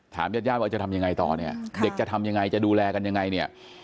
ญาติญาติว่าจะทำยังไงต่อเนี่ยเด็กจะทำยังไงจะดูแลกันยังไงเนี่ย